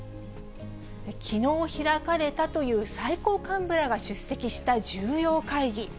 きのう開かれたという最高幹部らが出席した重要会議。